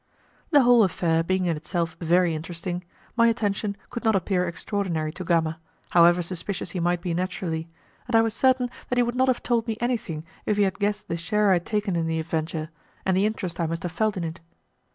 The whole affair being in itself very interesting, my attention could not appear extraordinary to Gama, however suspicious he might be naturally, and I was certain that he would not have told me anything if he had guessed the share I had taken in the adventure, and the interest I must have felt in it.